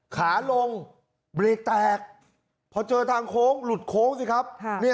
ขาลงเบรกแตกพอเจอทางโค้งหลุดโค้งสิครับ